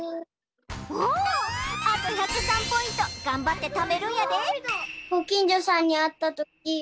おあと１０３ポイントがんばってためるんやで！